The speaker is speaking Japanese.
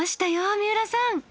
三浦さん！